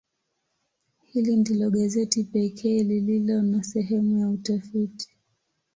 Hili ndilo gazeti pekee lililo na sehemu ya utafiti.